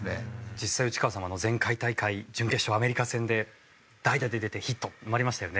実際内川さんは前回大会準決勝アメリカ戦で代打で出てヒット生まれましたよね。